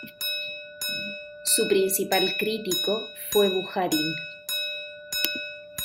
Su principal crítico fue Bujarin.